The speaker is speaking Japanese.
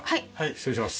失礼します。